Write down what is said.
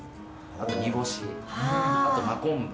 あと煮干しあと真昆布。